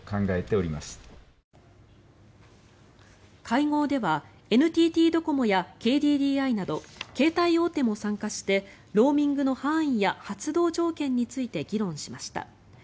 会合ではＮＴＴドコモやＫＤＤＩなど携帯大手も参加してローミングの範囲や発動条件について議論しました。